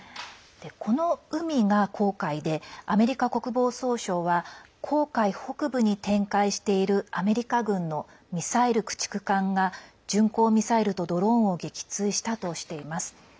この海が紅海でアメリカ国防総省は紅海北部に展開しているアメリカ軍のミサイル駆逐艦が巡航ミサイルとドローンを撃墜したとしています。